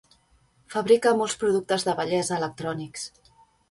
Fabrica molts productes de bellesa electrònics.